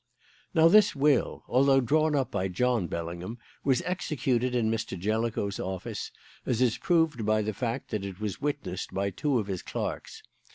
"Now, this will, although drawn up by John Bellingham, was executed in Mr. Jellicoe's office, as is proved by the fact that it was witnessed by two of his clerks.